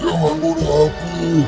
jangan bunuh aku